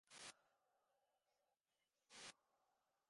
তোমাকে তো দিইনি মেসোমশায় ।